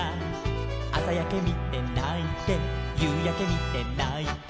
「あさやけみてないてゆうやけみてないて」